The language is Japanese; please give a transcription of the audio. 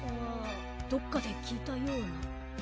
どっかで聞いたような。